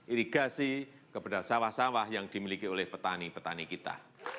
irigasi kepada sawah sawah yang dimiliki oleh petani petani kita